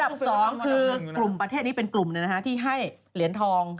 ๒คือกลุ่มประเทศนี้เป็นกลุ่มที่ให้เหรียญทอง